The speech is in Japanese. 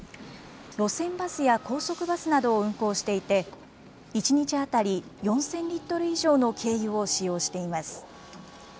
路線バスや高速バスなどを運行していて、１日当たり４０００リットル以上の軽油を使用しています。